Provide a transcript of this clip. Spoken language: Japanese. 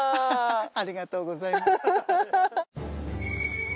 ありがとうございます。